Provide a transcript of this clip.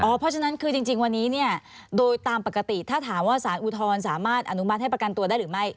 เพราะฉะนั้นคือจริงวันนี้เนี่ยโดยตามปกติถ้าถามว่าสารอุทธรณ์สามารถอนุมัติให้ประกันตัวได้หรือไม่